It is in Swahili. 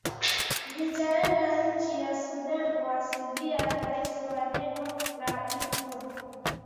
zitaendea nchi ya sudan kuwasaidia raia wa eneo la darfur